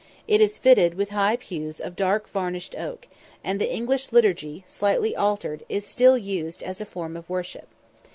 It is fitted with high pews of dark varnished oak, and the English liturgy, slightly altered, is still used as the form of worship.